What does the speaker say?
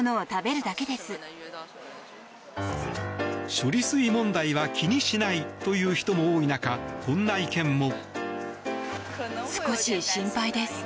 処理水問題は気にしないという人も多い中こんな意見も。